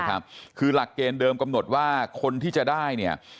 คือหลักเกณฑ์เดิมกำหนดว่าคนที่จะได้เนี่ย